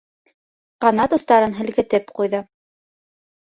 Ҡанат остарын һелкетеп ҡуйҙы.